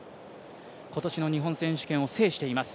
今年の日本選手権を制しています。